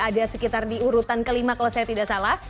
ada sekitar di urutan kelima kalau saya tidak salah